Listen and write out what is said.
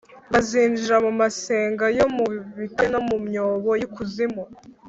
Bazinjira mu masenga yo mu bitare no mu myobo y’ikuzimu,